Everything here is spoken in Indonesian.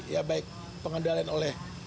ya baik pengendalian oleh